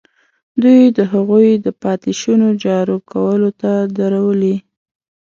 دوی د هغوی د پاتې شونو جارو کولو ته درولي.